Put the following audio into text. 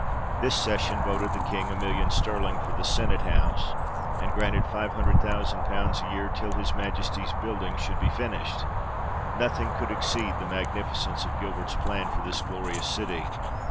This session 'voted the King a million sterling for the senate house, and granted five hundred thousand pounds a year till Ms Majesty's building should be finislied. Nothing could exceed the magnificence of Gilbert's plan for this glorious city.